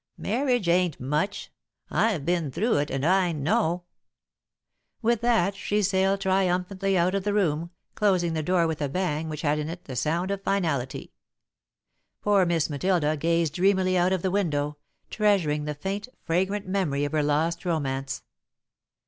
Marriage ain't much. I've been through it and I know." [Sidenote: Face to Face] With that, she sailed triumphantly out of the room, closing the door with a bang which had in it the sound of finality. Poor Miss Matilda gazed dreamily out of the window, treasuring the faint, fragrant memory of her lost romance.